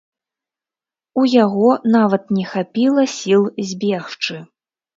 У яго нават не хапіла сіл збегчы.